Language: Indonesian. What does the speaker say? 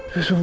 ya allah ini